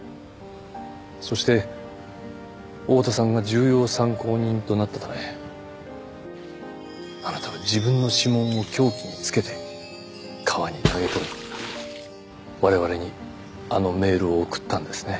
そして大多さんが重要参考人となったためあなたは自分の指紋を凶器につけて川に投げ込み我々にあのメールを送ったんですね。